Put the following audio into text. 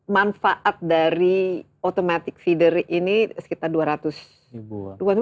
manfaat dari automatic feeder ini sekitar dua ratus ribu